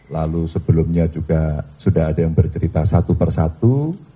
lalu sebelumnya juga sudah ada yang bercerita satu persatu